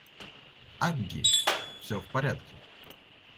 Агги, все в порядке.